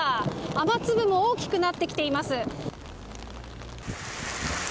雨粒も大きくなってきています。